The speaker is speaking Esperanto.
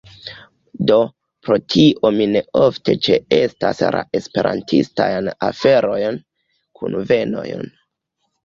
Do, pro tio mi ne ofte ĉeestas la Esperantistajn aferojn, kunvenojn